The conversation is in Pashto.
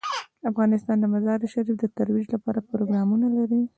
افغانستان د مزارشریف د ترویج لپاره پروګرامونه لري.